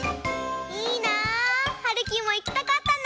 いいな！はるきもいきたかったな！